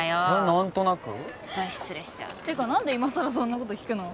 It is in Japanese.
何となくホントに失礼しちゃうてか何で今さらそんなこと聞くの？